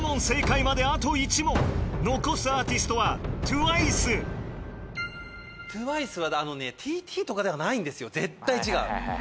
残すアーティストはＴＷＩＣＥＴＷＩＣＥはあのね『ＴＴ』とかではないんですよ絶対違う。